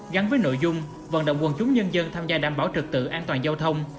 gắn với nội dung vận động quần chúng nhân dân tham gia đảm bảo trực tự an toàn giao thông